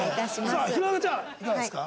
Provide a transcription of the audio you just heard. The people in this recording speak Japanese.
さあ弘中ちゃんいかがですか？